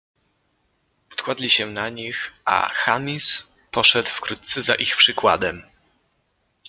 Pokładli się na nich, a Chamis poszedł wkrótce za ich przykładem.